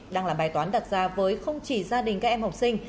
đang là bài toán đặt ra với không chỉ gia đình các em học sinh